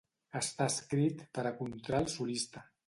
Està escrit per a contralt solista.